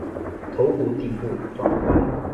头骨顶部短宽。